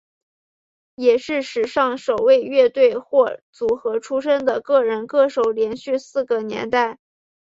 也是史上首位乐团或组合出身的个人歌手连续四个年代。